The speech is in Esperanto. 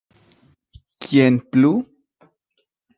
Kien plu?